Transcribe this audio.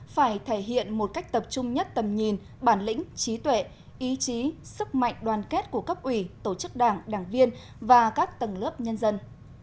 phải thể hiện một cách tập trung nhất tầm nhìn bản lĩnh trí tuệ ý chí sức mạnh đoàn kết của cấp ủy tổ chức đảng đảng viên và các tầng lớp nhân dân